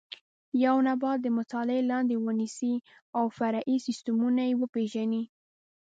یو نبات د مطالعې لاندې ونیسئ او فرعي سیسټمونه یې وپېژنئ.